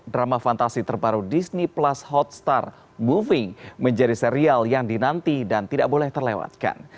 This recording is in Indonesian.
drama fantasi terbaru disney plus hotstar moving menjadi serial yang dinanti dan tidak boleh terlewatkan